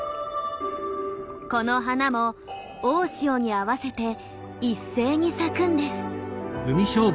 この花も大潮に合わせて一斉に咲くんです。